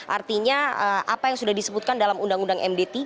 artinya apa yang sudah disebutkan dalam undang undang md tiga